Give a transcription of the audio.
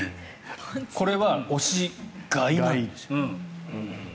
これは押し買いなんです。